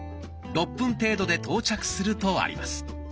６分程度で到着するとあります。